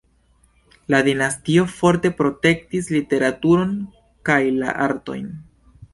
La dinastio forte protektis literaturon kaj la artojn.